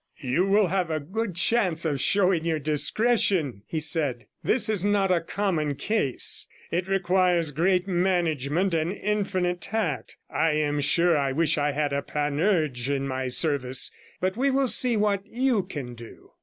'You will have a good chance of showing your discretion,' he said. 'This is not a common case; it requires great management and infinite tact. I am sure I wish I had a Panurge in my service, but we will see what you can do.'